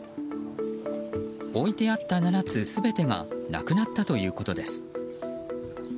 置いてあった７つ全てがなくなったということです。